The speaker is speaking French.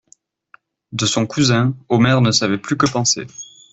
De son cousin, Omer ne savait plus que penser.